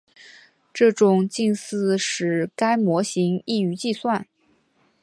这种近似使该模型易于计算。